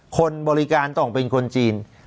คนบริการต้องเป็นคนจีน